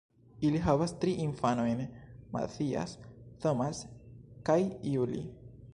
Ili havas tri infanojn: Matthias, Thomas kaj Julie.